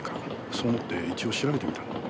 そう思って一応調べてみたんだ。